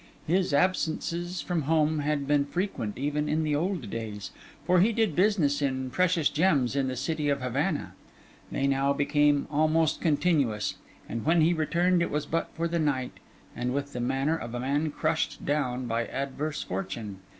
His absences from home had been frequent even in the old days, for he did business in precious gems in the city of Havana; they now became almost continuous; and when he returned, it was but for the night and with the manner of a man crushed down by adverse fortune.